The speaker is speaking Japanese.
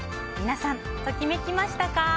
皆さん、ときめきましたか？